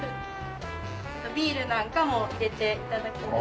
ビールなんかも入れて頂けます。